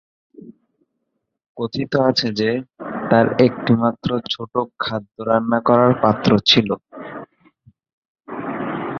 কথিত আছে যে, তাঁর একটি মাত্র ছোট খাদ্য রান্না করার পাত্র ছিল।